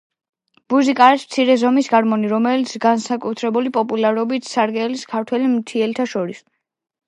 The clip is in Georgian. ბუზიკა არის მცირე ზომის გარმონი, რომელიც განსაკუთრებული პოპულარობით სარგებლობს ქართველ მთიელთა შორის.